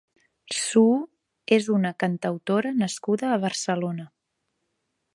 Suu és una cantautora nascuda a Barcelona.